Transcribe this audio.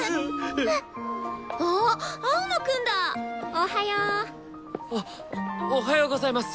おはよう。おっおはようございます！